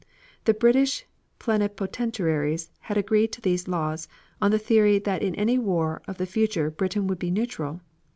The British plenipotentiaries had agreed to these laws on the theory that in any war of the future Britain would be neutral.